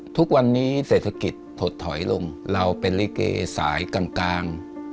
ทุกวันนี้เศรษฐกิจถดถอยลงเราเป็นลิเกสายกลาง